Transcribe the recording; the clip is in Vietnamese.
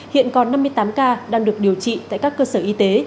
hiện còn năm mươi tám ca đang được điều trị tại các cơ sở y tế